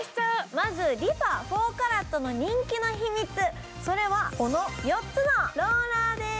まずリファ４カラットの人気の秘密、それはこの４つのローラーです。